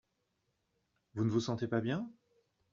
Vous ne vous sentez pas bien ?